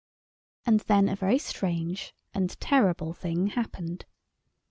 And then a very strange and terrible thing happened.